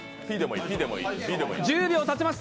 １０秒たちました！